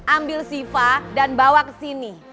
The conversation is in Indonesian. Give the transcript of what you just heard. ambil siva dan bawa ke sini